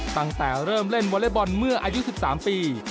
ตั้งแต่เริ่มเล่นวอเล็กบอลเมื่ออายุ๑๓ปี